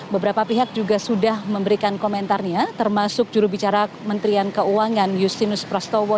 beberapa pihak juga sudah memberikan komentarnya termasuk jurubicara kementerian keuangan justinus prastowo